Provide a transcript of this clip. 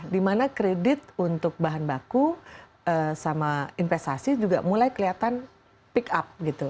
dimana kredit untuk bahan baku sama investasi juga mulai kelihatan pick up gitu